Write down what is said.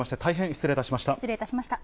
失礼いたしました。